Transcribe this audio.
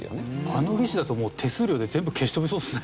あの利子だともう手数料で全部消し飛びそうですね。